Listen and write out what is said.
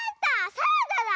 サラダだ！